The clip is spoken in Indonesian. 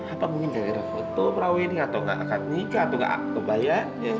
apa mungkin gara gara foto prawee ini atau gak akan nikah atau gak kebaya